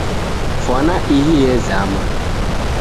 Fwana ihi yezama